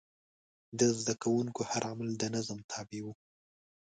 د زده کوونکو هر عمل د نظم تابع و.